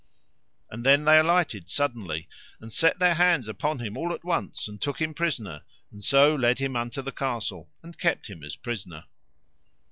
And then they alighted suddenly, and set their hands upon him all at once, and took him prisoner, and so led him unto the castle and kept him as prisoner.